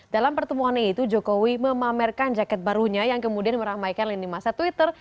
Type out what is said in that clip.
dalam pertemuannya itu jokowi memamerkan jaket barunya yang kemudian meramaikan lini masa twitter